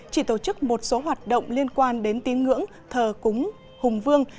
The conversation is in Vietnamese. chỉ tổ chức một số hoạt động liên quan đến tín ngưỡng thờ cúng hùng vương